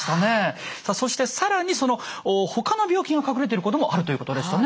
さあそして更に他の病気が隠れていることもあるということでしたね。